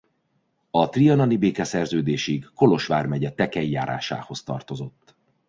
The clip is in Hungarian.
A trianoni békeszerződésig Kolozs vármegye Tekei járásához tartozott.